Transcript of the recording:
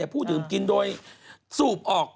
ผู้ดื่มกินโดยสูบออก